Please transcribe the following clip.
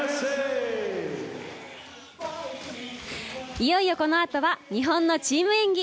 いよいよ、このあとは日本のチーム演技。